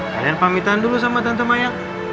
kalian pamitan dulu sama tante maya